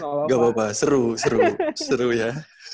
tidak apa apa seru seru seru ya